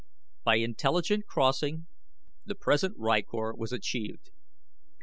By intelligent crossing the present rykor was achieved.